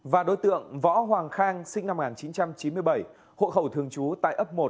và đối tượng võ hoàng khang sinh năm một nghìn chín trăm chín mươi bảy hộ khẩu thường trú tại ấp một